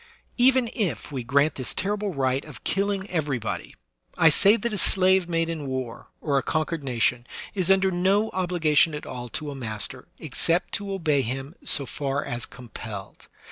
Even if we grant this terrible right of killing every body, I say that a slave made in war, or a conquered nation, is under no obligation at all to a master, except to obey him so far as compelled.